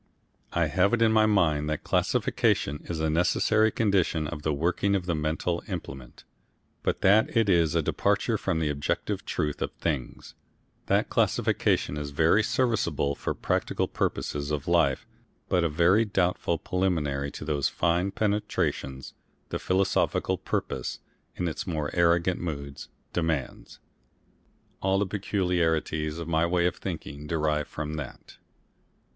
I have it in my mind that classification is a necessary condition of the working of the mental implement, but that it is a departure from the objective truth of things, that classification is very serviceable for the practical purposes of life but a very doubtful preliminary to those fine penetrations the philosophical purpose, in its more arrogant moods, demands. All the peculiarities of my way of thinking derive from that.